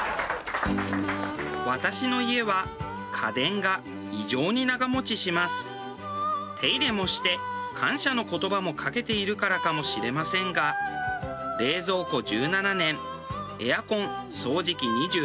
私の家は手入れもして感謝の言葉もかけているからもしれませんが冷蔵庫１７年エアコン掃除機２３年。